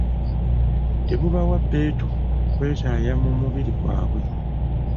Tebubawa bbeetu kwetaaya mu mubiri gwabwe.